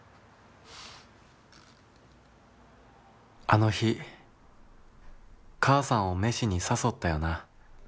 「あの日母さんを飯に誘ったよな。